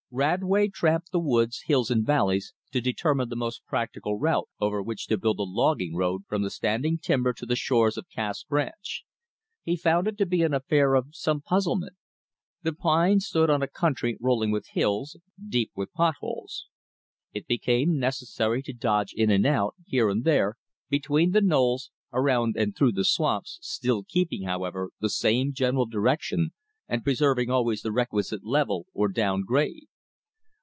Radway tramped the woods, hills, and valleys to determine the most practical route over which to build a logging road from the standing timber to the shores of Cass Branch. He found it to be an affair of some puzzlement. The pines stood on a country rolling with hills, deep with pot holes. It became necessary to dodge in and out, here and there, between the knolls, around or through the swamps, still keeping, however, the same general direction, and preserving always the requisite level or down grade.